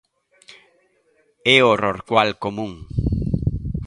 É o rorcual común.